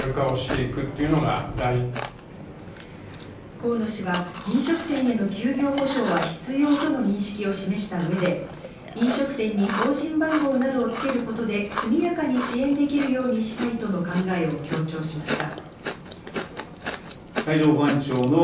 河野氏は飲食店への休業補償は必要との認識を示した上で、飲食店に法人番号などをつけることで、速やかに支援できるようにしたいとの考えを強調しました。